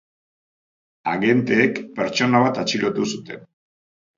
Agenteek pertsona bat atxilotu zuten.